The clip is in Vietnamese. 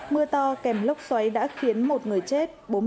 mưa to kèm lốc xoáy đã khiến một người chết